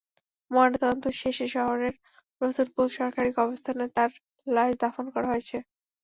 ময়নাতদন্ত শেষে শহরের রসুলপুর সরকারি কবরস্থানে তাঁর লাশ দাফন করা হয়েছে।